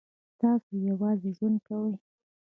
تاسو یوازې ژوند کوئ؟